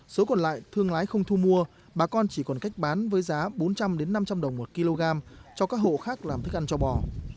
số còn lại thương lái không thu mua bà con chỉ còn cách bán với giá bốn trăm linh năm trăm linh đồng một kg cho các hộ khác làm thức ăn cho bò